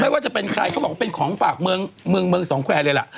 ว่าจะเป็นใครเขาบอกว่าเป็นของฝากเมืองเมืองสองแควร์เลยล่ะ